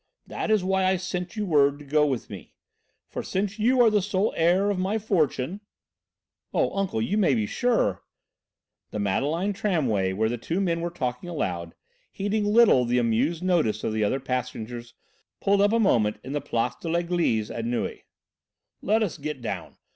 That is why I sent you word to go with me, for since you are the sole heir of my fortune " "Oh, uncle, you may be sure " The Madeleine tramway where the two men were talking aloud, heeding little the amused notice of the other passengers, pulled up a moment in the Place de l'Eglise at Neuilly. "Let us get down.